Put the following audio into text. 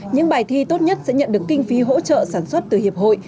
những bài thi tốt nhất sẽ nhận được kinh phí hỗ trợ sản xuất từ hiệp hội